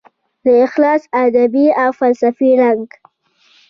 د اخلاص ادبي او فلسفي رنګ